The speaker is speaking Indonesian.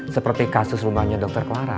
seperti kasus rumahnya dokter clara